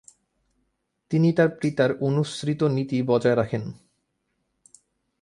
তিনি তার পিতার অনুসৃত নীতি বজায় রাখেন।